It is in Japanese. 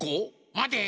まて！